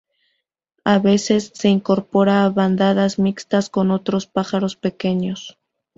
A veces se incorpora a bandadas mixtas con otros pájaros pequeños.